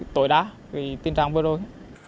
tội đá cái tình trạng vừa rồi